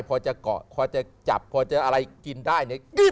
พอจะเกาะพอจะจับพอจะอะไรกินได้นี่